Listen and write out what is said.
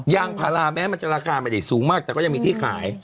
ยางพาราแม้มันจะราคาไม่ได้สูงมากแต่ก็ยังมีที่ขาย